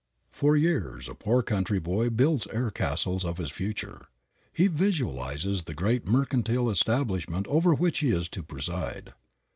For years a poor country boy builds air castles of his future. He visualizes the great mercantile establishment over which he is to preside.